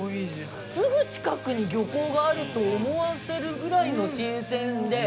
すぐ近くに漁港があると思わせるぐらいの新鮮で。